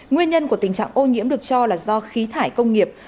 nguyên nhân của tình trạng ô nhiễm được cho là do khí thải công nghiệp